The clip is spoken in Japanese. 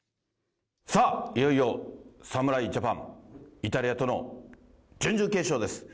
さあ、いよいよ侍ジャパン、イタリアとの準々決勝です。